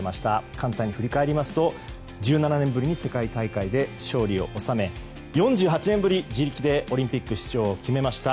簡単に振り返りますと１７年ぶりに世界大会で勝利をおさめ４８年ぶり自力でオリンピック出場を決めました。